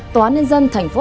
tòa án nhân dân tp hcm